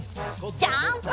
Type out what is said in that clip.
ジャンプ！